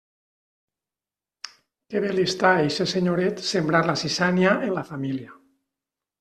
Que bé li està a eixe senyoret sembrar la zitzània en la família!